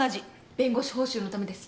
弁護士報酬のためです。